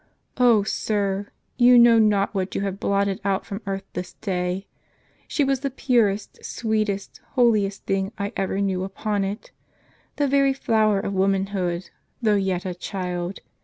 Oh, sir, you know not what you have blotted out from earth this day! She was the purest, sweetest, holiest thing I ever knew upon it, the very flower of womanhood, though yet a child.